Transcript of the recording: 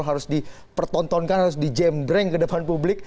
harus dipertontonkan harus dijembreng ke depan publik